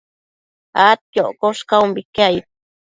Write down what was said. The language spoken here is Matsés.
adquioccosh caumbique aid